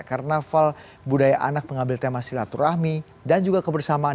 karnaval budaya anak mengambil tema silaturahmi dan juga kebersamaan